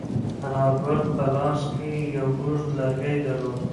انارګل په لاس کې یو اوږد لرګی درلود.